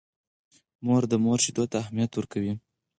مور د مور شیدو ته اهمیت ورکوي.